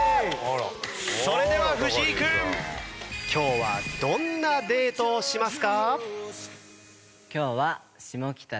それでは藤井君。今日はどんなデートをしますか？